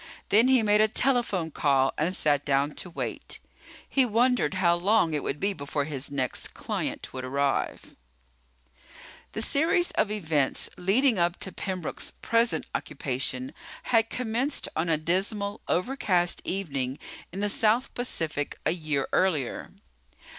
Then he made a telephone call and sat down to wait. He wondered how long it would be before his next client would arrive. The series of events leading up to Pembroke's present occupation had commenced on a dismal, overcast evening in the South Pacific a year earlier.